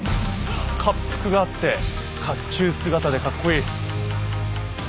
恰幅があって甲冑姿でかっこいい。